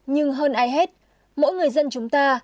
nhưng hơn ai hết mỗi người dân chúng ta